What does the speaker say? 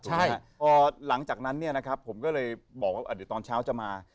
ใช่พอหลังจากนั้นเนี่ยนะครับผมก็เลยบอกว่าเดี๋ยวตอนเช้าจะมา